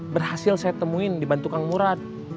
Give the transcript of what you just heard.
berhasil saya temuin dibantu kang murad